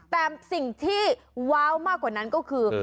แต่สิ่งที่ว้าวมากกว่านั้นก็คือ